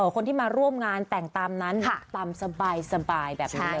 คนที่มาร่วมงานแต่งตามนั้นตามสบายแบบนี้เลย